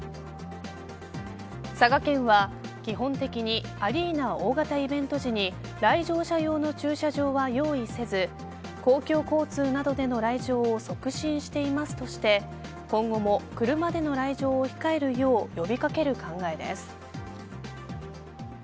佐賀県は基本的にアリーナ大型イベント時に来場者用の駐車場は用意せず、公共交通などでの来場を促進していますとしていて今後も車での来場を控えるよう呼び掛ける考えです。